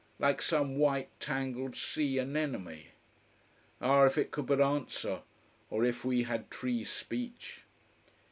Like some white, tangled sea anemone. Ah, if it could but answer! or if we had tree speech!